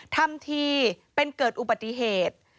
ทำทีเป็นเกิดอุบัติเหตุ